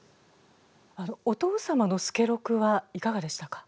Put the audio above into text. お父様の助六はいかがでしたか？